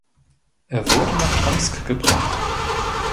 Er wurde nach Omsk gebracht.